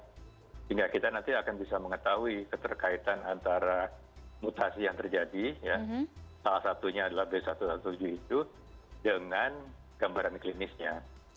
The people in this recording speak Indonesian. sehingga kita nanti akan bisa mengetahui keterkaitan antara mutasi yang terjadi salah satunya adalah b satu ratus tujuh belas itu dengan gambaran klinisnya